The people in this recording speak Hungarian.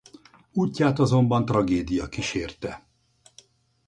Útját azonban tragédia kísérte.